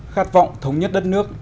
khát vọng thống nhất đất nước